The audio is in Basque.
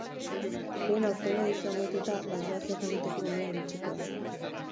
Behin aurtengo edizioa amaituta, balorazioak egiteko unea iritsiko da.